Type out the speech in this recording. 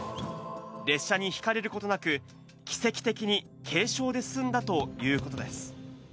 列車にひかれることなく、奇跡的に軽傷で済んだということです。